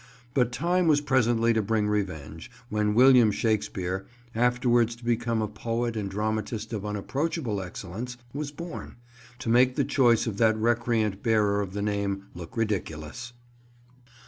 But Time was presently to bring revenge, when William Shakespeare, afterwards to become a poet and dramatist of unapproachable excellence, was born, to make the choice of that recreant bearer of the name look ridiculous.